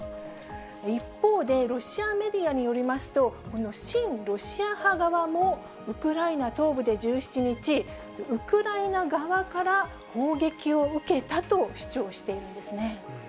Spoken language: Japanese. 一方で、ロシアメディアによりますと、この親ロシア派側も、ウクライナ東部で１７日、ウクライナ側から砲撃を受けたと主張しているんですね。